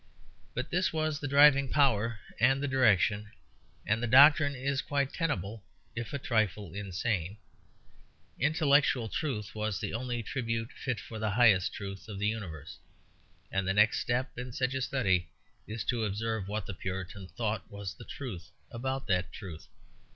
But this was the driving power and the direction; and the doctrine is quite tenable if a trifle insane. Intellectual truth was the only tribute fit for the highest truth of the universe; and the next step in such a study is to observe what the Puritan thought was the truth about that truth.